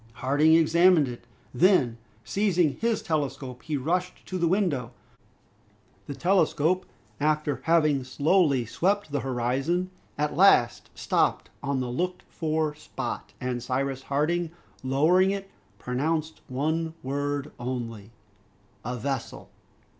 Harding examined it; then seizing his telescope he rushed to the window. The telescope, after having slowly swept the horizon, at last stopped on the looked for spot, and Cyrus Harding, lowering it, pronounced one word only, "A vessel!"